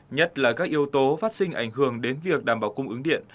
nhất là các yếu tố phát sinh ảnh hưởng đến việc đảm bảo cung ứng điện